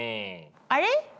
あれ？